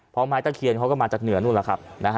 เพราะไม้ตะเคียนเขาก็มาจากเหนือนู่นล่ะครับ